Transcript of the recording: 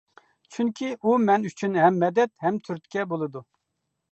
چۈنكى ئۇ مەن ئۈچۈن ھەم مەدەت ھەم تۈرتكە بولىدۇ.